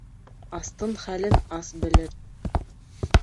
Астың хәлен ас белер.